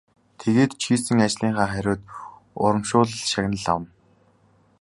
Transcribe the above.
Тэгээд ч хийсэн ажлынхаа хариуд урамшуулал шагнал авна.